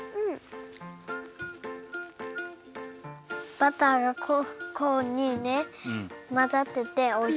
バターがコーンにねまざってておいしい。